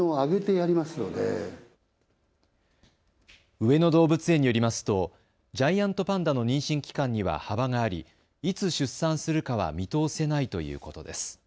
上野動物園によりますとジャイアントパンダの妊娠期間には幅がありいつ出産するかは見通せないということです。